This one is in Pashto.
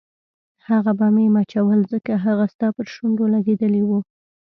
هغه به مې مچول ځکه هغه ستا پر شونډو لګېدلي وو.